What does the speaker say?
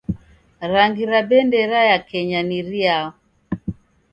Rangi ra bendera ya Kenya ni riao?